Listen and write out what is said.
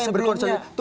tunggu mas guntur